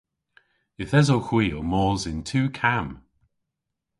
Yth esowgh hwi ow mos yn tu kamm.